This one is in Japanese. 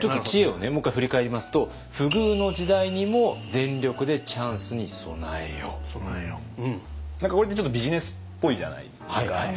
ちょっと知恵をねもう一回振り返りますと何かこれってちょっとビジネスっぽいじゃないですか。